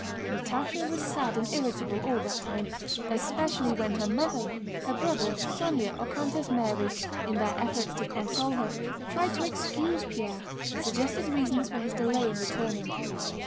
Natásha was sad and irritable all that time, especially when her mother, her brother, Sónya, or Countess Mary in their efforts to console her tried to excuse Pierre and suggested reasons for his delay in returning.